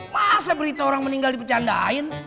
masa berita orang meninggal dipecandain